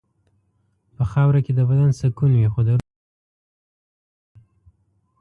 په خاوره کې د بدن سکون وي خو د روح سفر دوام لري.